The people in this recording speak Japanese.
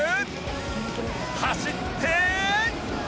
走って